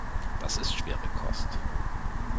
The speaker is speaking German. Das ist schwere Kost.